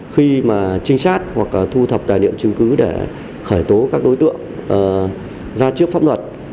khi mà trinh sát hoặc thu thập tài liệu chứng cứ để khởi tố các đối tượng ra trước pháp luật